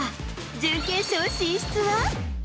準決勝進出は？